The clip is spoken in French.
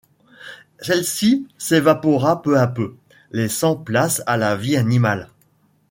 Celle-ci s’évapora peu à peu, laissant place à la vie animale.